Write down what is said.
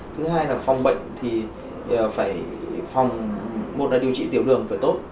thứ hai là phòng bệnh thì phải phòng một là điều trị tiểu đường phải tốt